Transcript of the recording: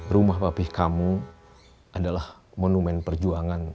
rumah papih kamu adalah monumen perjuanganmu